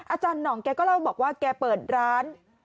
อาจารย์หน่องแกก็เล่าบอกว่าแกเปิดร้าน